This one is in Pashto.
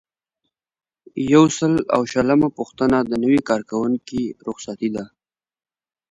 یو سل او شلمه پوښتنه د نوي کارکوونکي رخصتي ده.